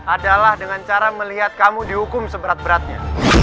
adalah dengan cara melihat kamu dihukum seberat beratnya